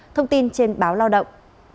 thông tin trên báo lao động